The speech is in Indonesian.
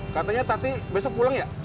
katanya tati besok pulang ya